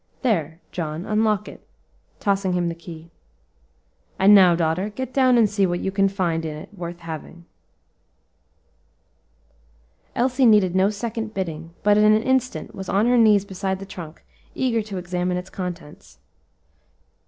There, John, unlock it," tossing him the key. "And now, daughter, get down and see what you can find in it worth having." Elsie needed no second bidding, but in an instant was on her knees beside the trunk, eager to examine its contents.